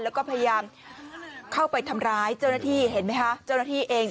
แล้วก็พยายามเข้าไปทำร้ายเจ้าหน้าที่เห็นไหมคะเจ้าหน้าที่เอง